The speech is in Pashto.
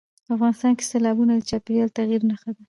افغانستان کې سیلابونه د چاپېریال د تغیر نښه ده.